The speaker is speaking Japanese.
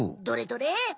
どれどれ？